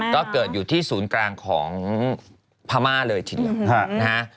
ก็เกิดอยู่ที่ศูนย์กลางของพม่าเลยทีเดียวนะฮะ